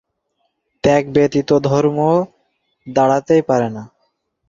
ত্যাগ ব্যতীত ধর্ম দাঁড়াতেই পারে না।